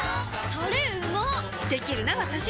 タレうまっできるなわたし！